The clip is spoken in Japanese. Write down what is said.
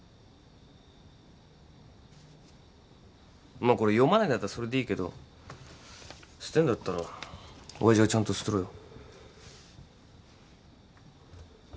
まあこれ読まないんだったらそれでいいけど捨てんだったら親父がちゃんと捨てろよ。